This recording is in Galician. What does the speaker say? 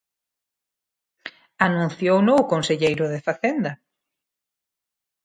Anunciouno o conselleiro de Facenda.